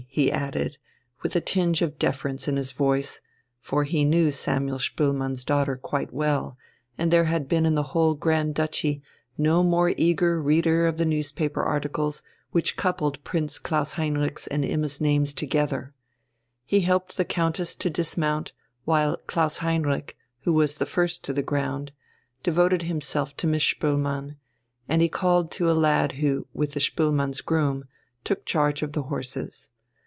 he added, with a tinge of deference in his voice; for he knew Samuel Spoelmann's daughter quite well, and there had been in the whole Grand Duchy no more eager reader of the newspaper articles which coupled Prince Klaus Heinrich's and Imma's names together. He helped the Countess to dismount, while Klaus Heinrich, who was the first to the ground, devoted himself to Miss Spoelmann, and he called to a lad, who, with the Spoelmanns' groom, took charge of the horses.